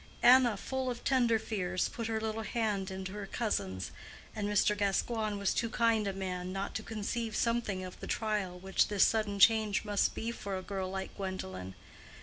Anna, full of tender fears, put her little hand into her cousin's, and Mr. Gascoigne was too kind a man not to conceive something of the trial which this sudden change must be for a girl like Gwendolen.